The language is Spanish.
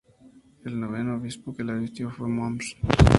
El noveno Obispo que la visitó fue Mons.